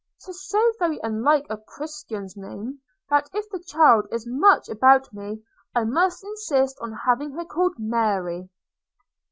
– 'tis so very unlike a Christian's name, that, if the child is much about me, I must insist upon having her called Mary.'